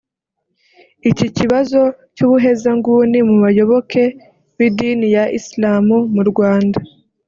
Iki kibazo cy’uguhezanguni mu bayoboke b’idini ya Islam mu Rwanda